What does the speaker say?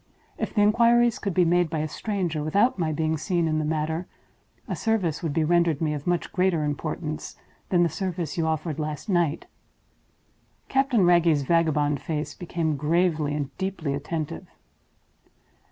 If the inquiries could be made by a stranger, without my being seen in the matter, a service would be rendered me of much greater importance than the service you offered last night." Captain Wragge's vagabond face became gravely and deeply attentive.